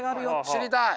知りたい！